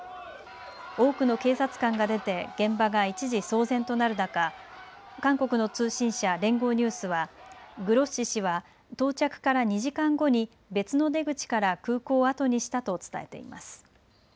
多くの警察官が出て現場が一時騒然となる中、韓国の通信社、連合ニュースはグロッシ氏は到着から２時間後に別の出口から空港を後にしたと伝えています。